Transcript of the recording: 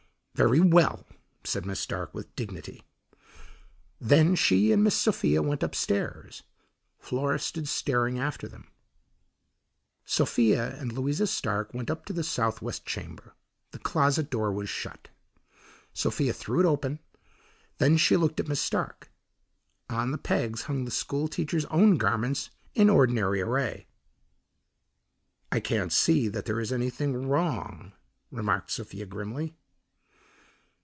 "Very well," said Miss Stark with dignity. Then she and Miss Sophia went upstairs. Flora stood staring after them. Sophia and Louisa Stark went up to the southwest chamber. The closet door was shut. Sophia threw it open, then she looked at Miss Stark. On the pegs hung the schoolteacher's own garments in ordinary array. "I can't see that there is anything wrong," remarked Sophia grimly.